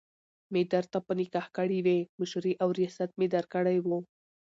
مي درته په نکاح کړي وي، مشري او رياست مي درکړی وو